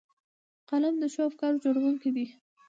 قلم د ښو افکارو جوړوونکی دی